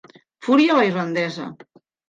Fúria a la irlandesa.